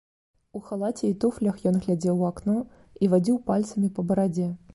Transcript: У халаце і туфлях, ён глядзеў у акно і вадзіў пальцамі па барадзе.